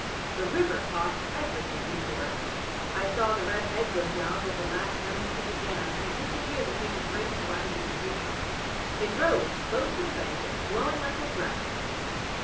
The river tossed everything before it. I saw the red head go down with the last remnants of the jam and disappear between the great grinding, tree trunks. It rose close to the bank and blowing like a grampus.